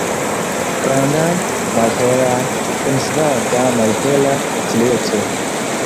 Grandaj, malhelaj, kun svaga malhela strieco.